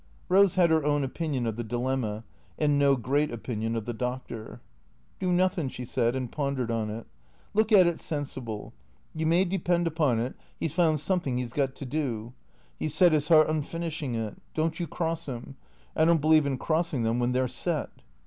Eose had her own opinion of the dilemma, and no great opin ion of the Doctor. " Do nothin'," she said, and pondered on it. " Look at it sensible. You may depend upon it 'e 's found somethin' 'e 's got to do. 'E 's set 'is 'eart on finishin' it. Don't you cross 'im. I don't believe in crossin' them when they 're set."